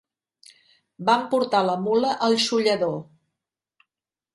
Van portar la mula al xollador.